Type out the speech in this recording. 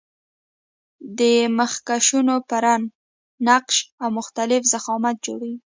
دا مخکشونه په رنګ، نقش او مختلف ضخامت جوړیږي.